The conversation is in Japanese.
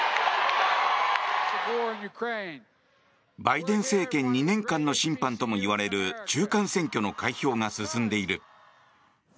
バイデン政権２年間の審判ともいわれる中間選挙の開票が進んでいる。